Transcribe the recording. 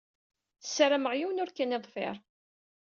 Sarameɣ yiwen ur k-in-iḍfiṛ.